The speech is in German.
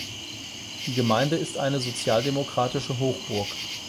Die Gemeinde ist eine sozialdemokratische Hochburg.